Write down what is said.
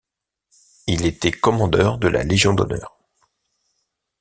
Il était commandeur de la Légion d'honneur.